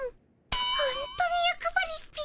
ほんとによくばりっピ。